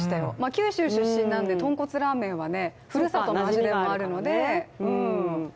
九州出身なんで豚骨ラーメンはふるさとの味ではあるので。